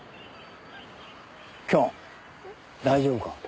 キョン大丈夫か？